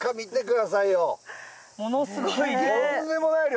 ものすごい量。